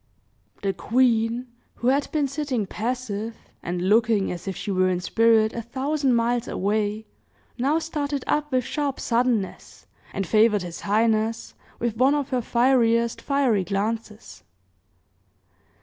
The queen, who had been sitting passive, and looking as if she were in spirit a thousand miles away, now started up with sharp suddenness, and favored his highness with one of her fieriest fiery glances.